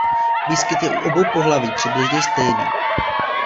Výskyt je u obou pohlaví přibližně stejný.